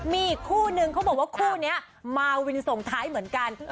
มีอีกคู่นึงเขาบอกว่าคู่นี้มาวินส่งท้ายเหมือนกัน